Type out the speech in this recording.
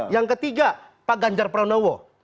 yang ketiga pak ganjar pranowo